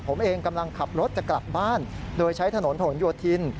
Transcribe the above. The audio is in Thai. ผมเองกำลังขับรถจะกลับบ้านโดยใช้ถนนผนโยธิน